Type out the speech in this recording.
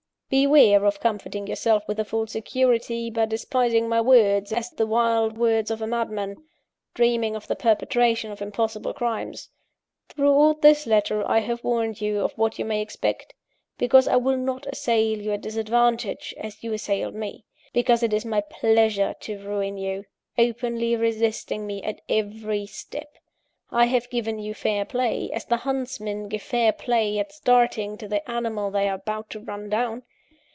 "Beware of comforting yourself with a false security, by despising my words, as the wild words of a madman, dreaming of the perpetration of impossible crimes. Throughout this letter I have warned you of what you may expect; because I will not assail you at disadvantage, as you assailed me; because it is my pleasure to ruin you, openly resisting me at every step. I have given you fair play, as the huntsmen give fair play at starting to the animal they are about to run down.